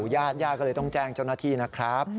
ญาติย่าก็เลยต้องแจ้งเจ้าหน้าที่นะครับ